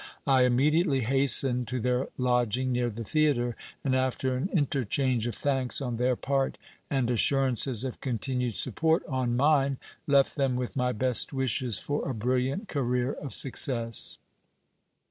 I immediately hastened to their lodging near the theatre, and after an interchange of thanks on their part, and assurances of continued support on mine, left them with my best wishes for a brilliant career of success.